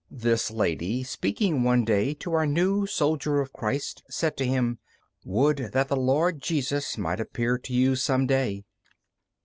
This lady, speaking one day to our new soldier of Christ, said to him, "Would that the Lord Jesus might appear to you some day!"